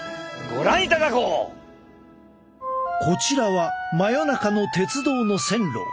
こちらは真夜中の鉄道の線路。